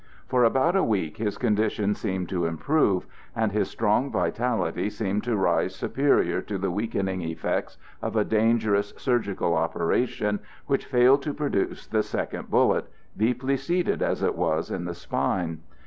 For about a week his condition seemed to improve, and his strong vitality seemed to rise superior to the weakening effects of a dangerous surgical operation which failed to produce the second bullet, deeply seated as it was in the spine.